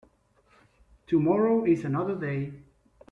Tomorrow is another day.